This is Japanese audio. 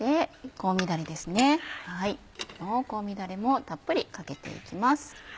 この香味だれもたっぷりかけて行きます。